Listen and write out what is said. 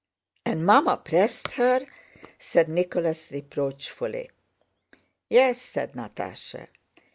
"And Mamma pressed her!" said Nicholas reproachfully. "Yes," said Natásha.